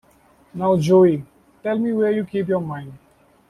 Now, Joey, tell me where you keep your mind?